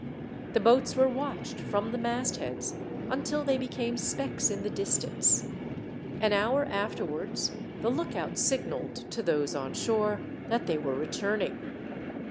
The boats were watched, from the mastheads, until they became specks in the distance. An hour afterwards, the lookout signalled to those on shore that they were returning.